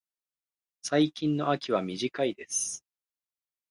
最近の秋は短いです。